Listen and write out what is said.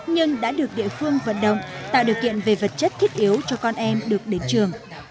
nhưng đã được địa phương vận động tạo điều kiện về vật chất thiết yếu cho con em được đến trường